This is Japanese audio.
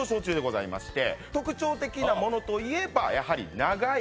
特徴的なものといえば。